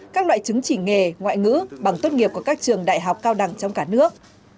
các loại chứng chỉ nghề ngoại ngữ bằng tốt nghiệp của các trường đại học cao đẳng trong cả nước